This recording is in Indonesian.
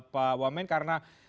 pak wamen karena